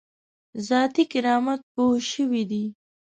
ذاتي کرامت پوه شوی دی.